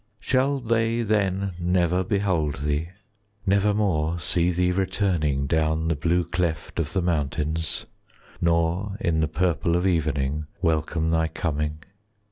25 Shall they then never behold thee,— Nevermore see thee returning Down the blue cleft of the mountains, Nor in the purple of evening Welcome thy coming?